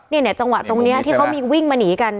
เนี่ยจังหวะตรงนี้ที่เขามีวิ่งมาหนีกัน